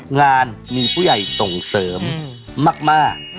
งานมีผู้ใหญ่ส่งเสริมมาก